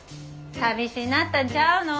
寂しなったんちゃうの？